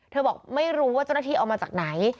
บอกไม่รู้ว่าเจ้าหน้าที่เอามาจากไหน